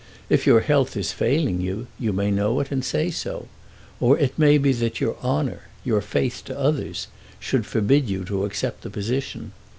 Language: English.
If your health is failing you, you may know it, and say so. Or it may be that your honour, your faith to others, should forbid you to accept the position.